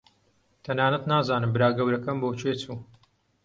تەنانەت نازانم برا گەورەکەم بۆ کوێ چوو.